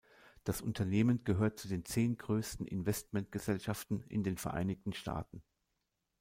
Das Unternehmen gehört zu den zehn größten Investmentgesellschaften in den Vereinigten Staaten.